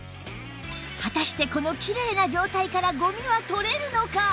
果たしてこのきれいな状態からゴミは取れるのか？